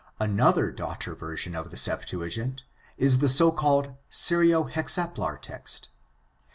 — Another daughter version of the Septuagint is the so called Syro Hexaplar text.